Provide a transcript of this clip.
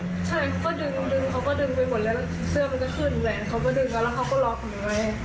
ใช่เขาก็ดึงดึงเขาก็ดึงไปหมดแล้วเสื้อมันก็ขึ้นแหวนเขาก็ดึงเขาแล้วเขาก็ล็อกหนูไว้